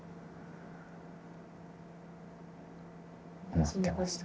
思ってました。